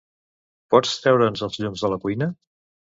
Pots treure'ns els llums de la cuina?